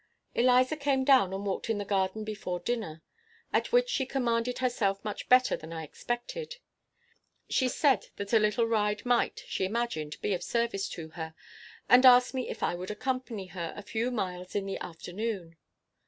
Eliza came down and walked in the garden before dinner; at which she commanded herself much better than I expected. She said that a little ride might, she imagined, be of service to her, and asked me if I would accompany her a few miles in the afternoon.